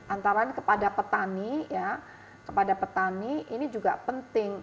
antara lain kepada petani ya kepada petani ini juga penting